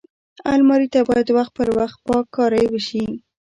الماري ته باید وخت پر وخت پاک کاری وشي